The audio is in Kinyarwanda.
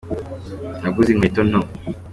Naguze inkweto nto.